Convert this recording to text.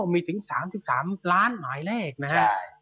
มีถึง๓๓ล้านหมายเลขนะครับ